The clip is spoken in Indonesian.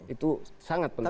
itu sangat penting